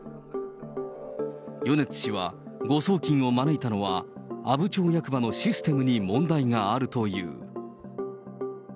米津氏は誤送金を招いたのは、阿武町役場のシステムに問題があるという。